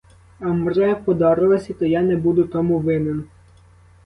А вмре по дорозі, то я не буду тому винен.